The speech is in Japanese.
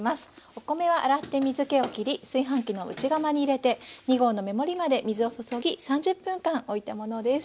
お米は洗って水けをきり炊飯器の内釜に入れて２合の目盛りまで水を注ぎ３０分間おいたものです。